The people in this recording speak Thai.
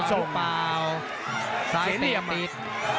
ซ้ายเตรียมตีด